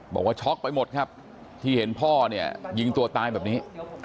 บอกว่าช็อกไปหมดครับที่เห็นพ่อเนี่ยยิงตัวตายแบบนี้